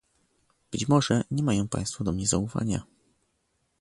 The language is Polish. Być może nie mają państwo do mnie zaufania